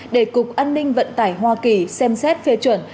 để cục an ninh vận tải hoa kỳ xem xét phê chuẩn